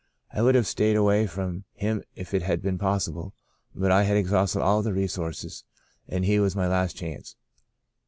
I would have stayed away from him if it had been possible, but I had ex hausted all other resources, and he was my last chance.